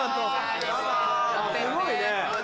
すごいね。